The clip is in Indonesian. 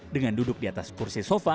dengan duduk di atas kubu